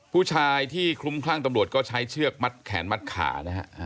ผู้ชายที่คลุ้มคลั่งตำรวจก็ใช้เชือกมัดแขนมัดขานะฮะ